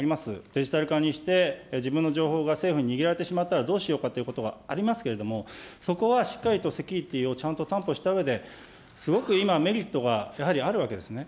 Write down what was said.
デジタル化にして、自分の情報が政府に握られてしまったらどうしようかというところがありますけれども、そこはしっかりとセキュリティーをしっかり担保したうえで、すごく今、メリットが今あるわけですね。